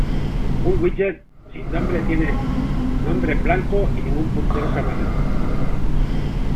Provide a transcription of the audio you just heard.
Un "widget" sin nombre tiene nombre en blanco y ningún puntero es almacenado.